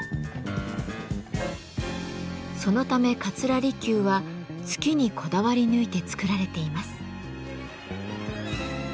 そのため桂離宮は月にこだわり抜いて造られています。